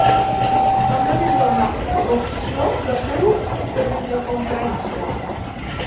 També li dóna l’opció de fer-ho per videoconferència.